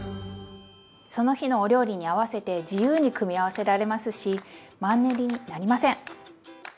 その日のお料理に合わせて自由に組み合わせられますしマンネリになりません！